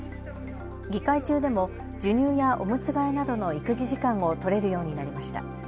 議会中でも授乳やおむつ替えなどの育児時間を取れるようになりました。